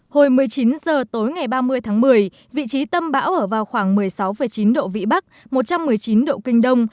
hồi một mươi chín h tối ngày ba mươi tháng một mươi vị trí tâm bão ở vào khoảng một mươi sáu chín độ vĩ bắc một trăm một mươi chín độ kinh đông